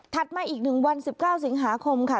ถัดมาอีกหนึ่งวัน๑๙สิงหาคมค่ะ